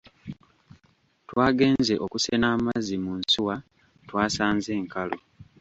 Twagenze okusena amazzi mu nsuwa twasanze nkalu.